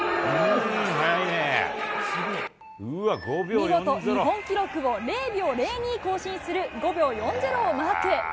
見事、日本記録を０秒０２更新する５秒４０をマーク。